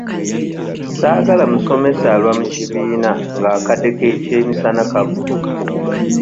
Saagala musomesa alwa mu kibiina ng'akadde k'ekyemisana kavuze.